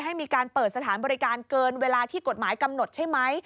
ให้มีการเปิดสถานบริการเกินเวลาที่กฎหมายกำหนดใช่ไหม